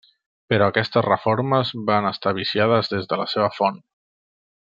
Però aquestes reformes van estar viciades des de la seva font.